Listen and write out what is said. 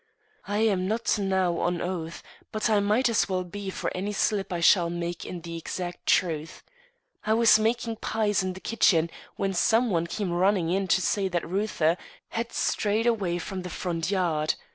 I am not now on oath, but I might as well be for any slip I shall make in the exact truth. I was making pies in the kitchen, when some one came running in to say that Reuther had strayed away from the front yard.